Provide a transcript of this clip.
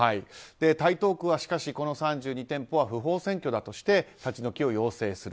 台東区はしかしこの３２店舗は不法占拠だとして立ち退きを要請する。